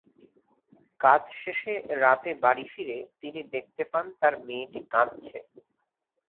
কাজ শেষে রাতে বাড়ি ফিরে তিনি দেখতে পান তাঁর মেয়েটি কাঁদছে।